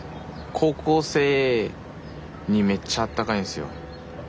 高校生にめっちゃ温かいんすよ。